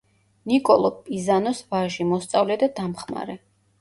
ნიკოლო პიზანოს ვაჟი, მოსწავლე და დამხმარე.